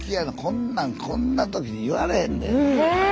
こんなんこんな時に言われへんで。